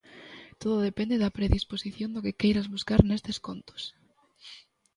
Todo depende da predisposición do que queiras buscar nestes contos.